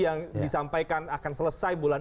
yang disampaikan akan selesai bulan